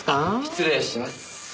失礼します。